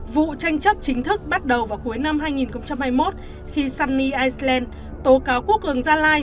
vụ tranh chấp chính thức bắt đầu vào cuối năm hai nghìn hai mươi một khi sunny iceland tố cáo quốc cường gia lai